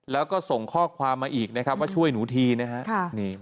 แล้วก็ส่งข้อความมาอีกนะครับว่าช่วยหนูทีนะครับ